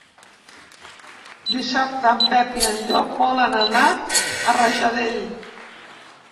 Dissabte en Pep i en Llop volen anar a Rajadell.